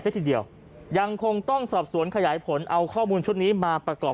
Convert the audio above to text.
ทีเดียวยังคงต้องสอบสวนขยายผลเอาข้อมูลชุดนี้มาประกอบ